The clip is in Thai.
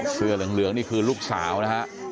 เสื้อเหลืองนี่คือลูกสาวนะฮะ